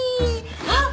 あっ！